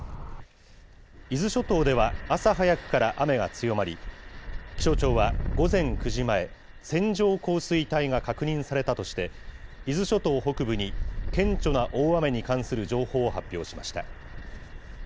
伊豆諸島では朝早くから雨が強まり、気象庁は午前９時前、線状降水帯が確認されたとして、伊豆諸島北部に顕著な大雨に関する情報を発表しました。